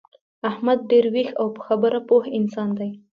احمد ډېر ویښ او په خبره پوه انسان دی.